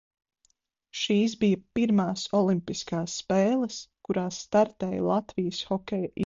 Šīs bija pirmās olimpiskās spēles, kurās startēja Latvijas hokeja izlase.